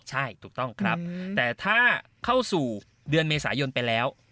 ใช่ถูกต้องครับแต่ถ้าเข้าสู่เดือนเมษายนไปแล้ว